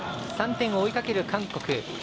３点を追いかける韓国。